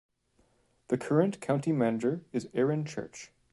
The current County Manager is Aaron Church.